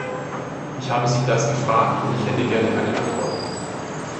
Ich habe Sie das gefragt, und ich hätte gerne eine Antwort.